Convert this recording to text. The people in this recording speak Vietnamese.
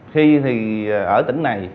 khi thì ở tỉnh này